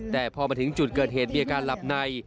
แต่พอมาถึงจุดเกิดเหตุมีอาการหลับใน